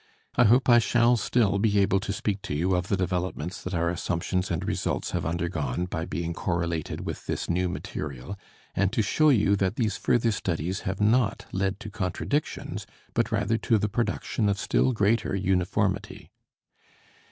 I hope I shall still be able to speak to you of the developments that our assumptions and results have undergone by being correlated with this new material, and to show you that these further studies have not led to contradictions but rather to the production of still greater uniformity.